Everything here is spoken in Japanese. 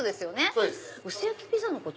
そうです。